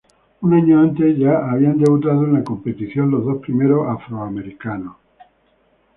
Un año antes ya habían debutado en la competición los dos primeros afroamericanos.